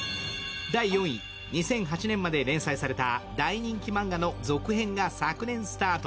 ２００８年まで連載された大人気マンガの続編が昨年スタート。